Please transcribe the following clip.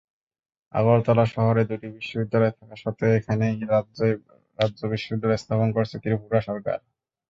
আগরতলা শহরে দুটি বিশ্ববিদ্যালয় থাকা সত্ত্বেও এখানেই রাজ্য-বিশ্ববিদ্যালয় স্থাপন করছে ত্রিপুরা সরকার।